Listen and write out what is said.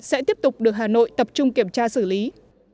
sẽ tiếp tục được hà nội tập trung kiểm tra xử lý